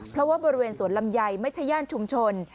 เพราะว่าบริเวณสวนลำไยไม่ใช่ย่านชุมชน